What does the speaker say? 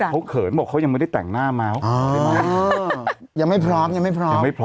แต่ว่าเขาเขินบอกเขายังไม่ได้แต่งหน้ามาอ๋อยังไม่พร้อมยังไม่พร้อม